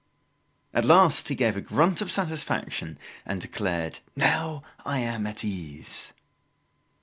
At last, he gave a grunt of satisfaction and declared "Now I am at ease!"